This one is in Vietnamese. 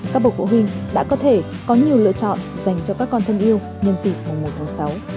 các bậc phụ huynh đã có thể có nhiều lựa chọn dành cho các con thân yêu nhân dịp mùng một tháng sáu